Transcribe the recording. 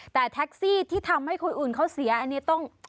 แต่แท็กซี่ที่ทำให้คนอื่นเขาเสียอันนี้ต้อง